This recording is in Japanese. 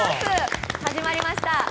始まりました。